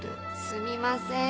すみません